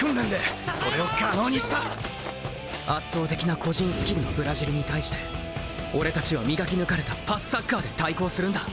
圧倒的な個人スキルのブラジルに対して俺たちは磨き抜かれたパスサッカーで対抗するんだ。